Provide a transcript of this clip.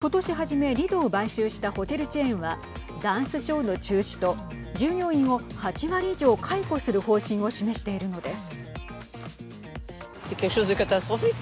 ことし初めリドを買収したホテルチェーンはダンスショーの中止と従業員を８割以上解雇する方針を示しているのです。